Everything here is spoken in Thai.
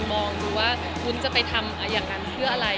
มองดูว่าวุ้นจะไปทำอย่างนั้นเพื่ออะไร